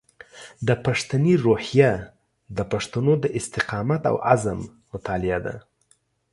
د پښتني روحیه د پښتنو د استقامت او عزم مطالعه ده.